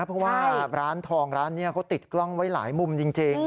เพราะว่าร้านทองร้านนี้เขาติดกล้องไว้หลายมุมจริง